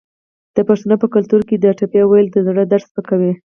د پښتنو په کلتور کې د ټپې ویل د زړه درد سپکوي.